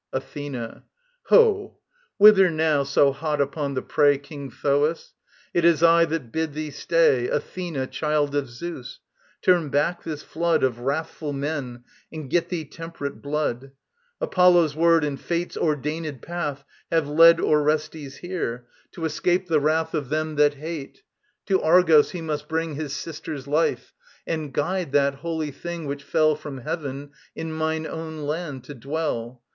] ATHENA. Ho, whither now, so hot upon the prey, King Thoas? It is I that bid thee stay, Athena, child of Zeus. Turn back this flood Of wrathful men, and get thee temperate blood. Apollo's word and Fate's ordained path Have led Orestes here, to escape the wrath Of Them that Hate. To Argos he must bring His sister's life, and guide that Holy Thing Which fell from heaven, in mine own land to dwell.